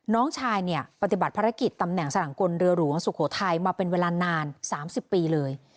น้องชายเนี่ยปฏิบัติภารกิจตำแหน่งสลังกลเรือหลวงสุโขทัยมาเป็นเวลานาน๓๐ปีเลย